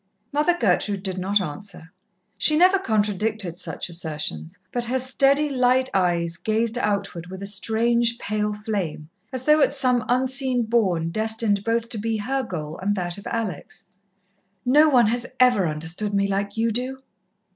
Mother Gertrude did not answer she never contradicted such assertions but her steady, light eyes gazed outward with a strange pale flame, as though at some unseen bourne destined both to be her goal and that of Alex. "No one has ever understood me like you do."